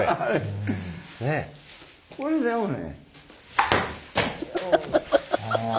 これでもね。